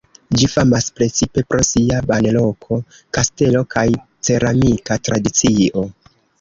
Ĝi famas precipe pro sia banloko, kastelo kaj ceramika tradicio.